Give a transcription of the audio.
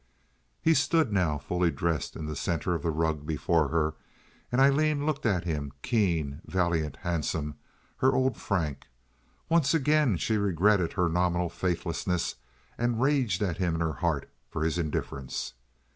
He stood now, fully dressed, in the center of the rug before her, and Aileen looked at him, keen, valiant, handsome—her old Frank. Once again she regretted her nominal faithlessness, and raged at him in her heart for his indifference.